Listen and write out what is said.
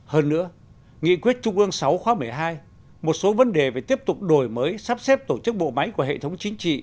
hơn nữa nghị quyết trung ương sáu khóa một mươi hai một số vấn đề về tiếp tục đổi mới sắp xếp tổ chức bộ máy của hệ thống chính trị